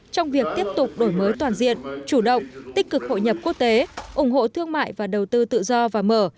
trong việc tiếp tục đổi mới toàn diện chủ động tích cực hội nhập quốc tế ủng hộ thương mại và đầu tư tự do và mở